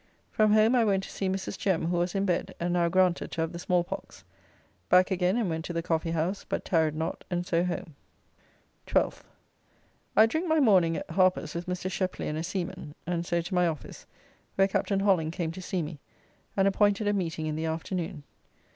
From home I went to see Mrs. Jem, who was in bed, and now granted to have the small pox. Back again, and went to the Coffee house, but tarried not, and so home. 12th. I drink my morning at Harper's with Mr. Sheply and a seaman, and so to my office, where Captain Holland came to see me, and appointed a meeting in the afternoon.